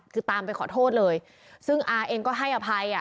คือตามไปขอโทษเลยซึ่งอาเองก็ให้อภัยอ่ะ